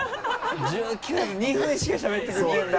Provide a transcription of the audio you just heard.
１９２分しかしゃべってくれないんだ。